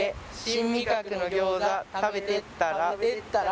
「新味覚のぎょうざ食べてったら！」